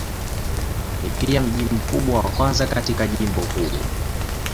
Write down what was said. Ni pia mji mkubwa wa kwanza katika jimbo huu.